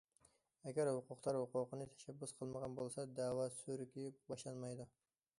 ئەگەر ھوقۇقدار ھوقۇقىنى تەشەببۇس قىلمىغان بولسا دەۋا سۈرۈكى باشلانمايدۇ.